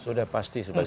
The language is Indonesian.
sudah pasti sebenarnya